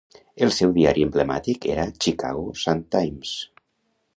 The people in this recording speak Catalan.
El seu diari emblemàtic era "Chicago Sun-Times".